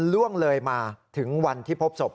เตยมาถึงวันที่พบศพ